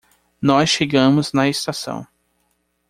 Nós chegamos na estação